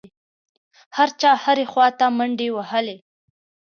هر چا هرې خوا ته منډې وهلې.